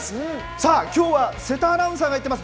さあ、きょうは瀬田アナウンサーが行っています。